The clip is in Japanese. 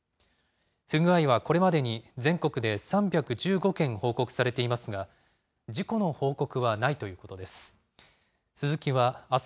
不具合はこれまでに、全国で３１５件報告されていますが、事故の報告はないということです。